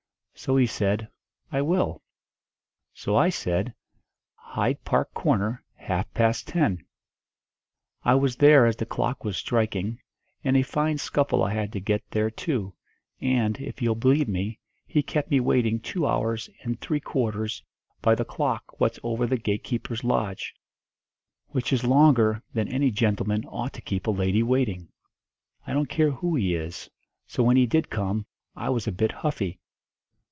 So he said, 'I will.' So I said, 'Hyde Park Corner, half past ten.' I was there as the clock was striking, and a fine scuffle I had to get there too; and, if you'll believe me, he kept me waiting two hours and three quarters by the clock what's over the gatekeeper's lodge which is longer than any gentleman ought to keep a lady waiting, I don't care who he is. So when he did come, I was a bit huffy.